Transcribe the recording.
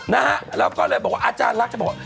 นะฮะแล้วก็เลยบอกว่าอาจารย์รักจะบอกว่า